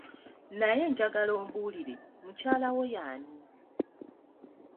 Naye njagala ombuulire, mukyala wo y'ani?